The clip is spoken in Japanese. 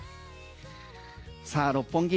さあ、六本木